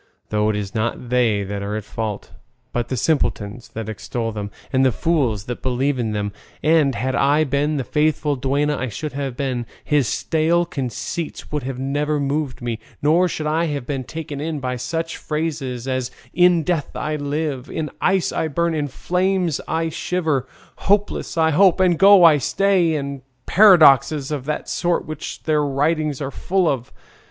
Though it is not they that are in fault, but the simpletons that extol them, and the fools that believe in them; and had I been the faithful duenna I should have been, his stale conceits would have never moved me, nor should I have been taken in by such phrases as 'in death I live,' 'in ice I burn,' 'in flames I shiver,' 'hopeless I hope,' 'I go and stay,' and paradoxes of that sort which their writings are full of.